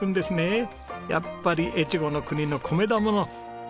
やっぱり越後国の米だもの格別だ！